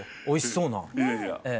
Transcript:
おいしそうな。